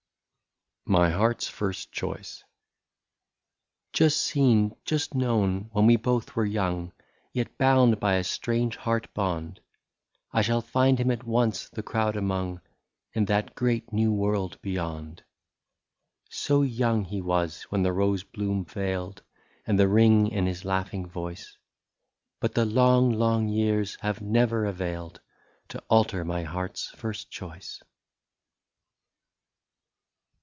99 MY HEART'S FIRST CHOICE. "Just seen, just known, when we both were young, Yet bound by a strange heart bond, I shall find him at once the crowd among, In that great new world beyond. " So young he was, when the rose bloom failed. And the ring in his laughing voice, — But the long long years have never availed To alter my heart's first choice.